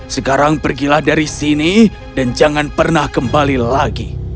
sekarang pergilah dari sini dan jangan pernah kembali lagi